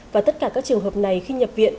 và tất cả các trường hợp này khi nhập viện